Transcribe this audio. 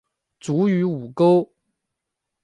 卒于午沟。